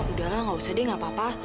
udah lah nggak usah deh nggak apa apa